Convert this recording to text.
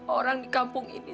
orang di kampung ini